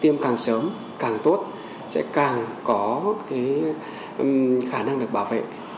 tiêm càng sớm càng tốt sẽ càng có khả năng được bảo vệ